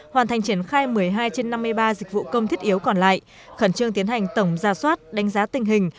hoàn thành triển khai một mươi hai trên năm mươi ba dịch vụ công thiết yếu còn lại khẩn trương tiến hành tổng ra soát đánh giá tình hình